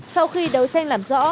sau khi đấu tranh làm rõ